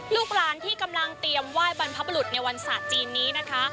ลูกหลานที่กำลังเตรียมไหว้บรรพบรุษในวันศาสตร์จีนนี้นะคะ